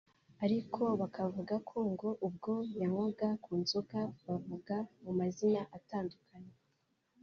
ariko bakavuga ko ngo ubwo yanywaga ku nzoga bavuga mu mazina atandukanye